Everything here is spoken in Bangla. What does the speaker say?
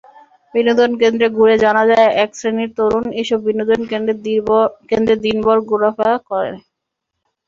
বিনোদন কেন্দ্র ঘুরে জানা যায়, একশ্রেণির তরুণ এসব বিনোদন কেন্দ্রে দিনভর ঘোরাফেরা করে।